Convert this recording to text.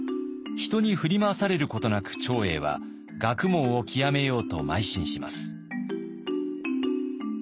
人に振り回されることなく長英は学問を究めようとまい進します。